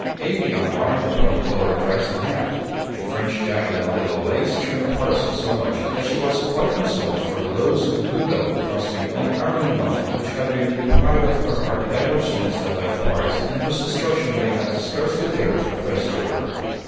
Amy admired the pearl colored dress and hat, the fringed jacket and little lace trimmed parasol so much, that she was quite consoled for the loss of the blue velvet costume and ermine muff which had been the pride of her heart ever since they left Paris, and whose destruction they had scarcely dared to confess to her.